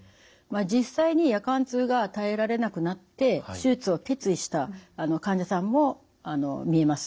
実際に夜間痛が耐えられなくなって手術を決意した患者さんもみえます。